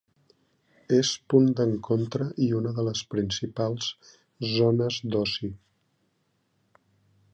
És punt d'encontre i una de les principals zones d'oci.